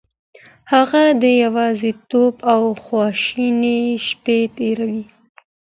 هغه د يوازيتوب او خواشينۍ شپې تېروي.